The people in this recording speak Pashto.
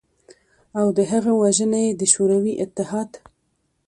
او د هغه وژنه ېې د شوروی اتحاد